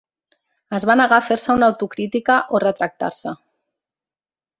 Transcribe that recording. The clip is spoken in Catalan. Es va negar a fer-se una autocrítica o retractar-se.